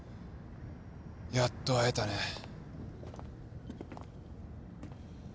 やっと会えたね。